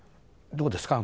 どうですか？